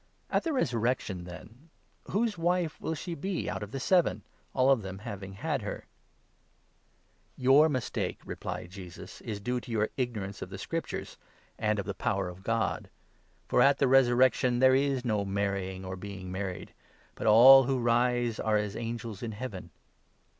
At the resurrection, then, whose 28 wife will she be out of the seven, all of them having had her ?"" Your mistake," replied Jesus, " is due to your ignorance of 29 the Scriptures, and of the power of God. For at the resur 30 rection there is no marrying or being married, but all who rise are as angels in Heaven.